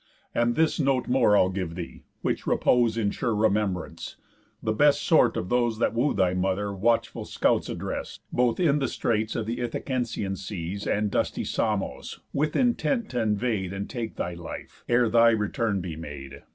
And this note more I'll give thee, which repose In sure remembrance: The best sort of those That woo thy mother watchful scouts address Both in the straits of th' Ithacensian seas, And dusty Samos, with intent t' invade And take thy life, ere thy return be made.